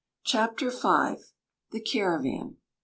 *Chapter V.* *THE CARAVAN.